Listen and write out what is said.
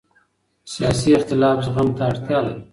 سیاسي اختلاف زغم ته اړتیا لري